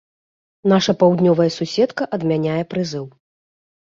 Нашая паўднёвая суседка адмяняе прызыў.